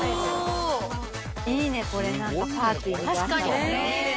いいね、これ、なんかパーテ確かにね。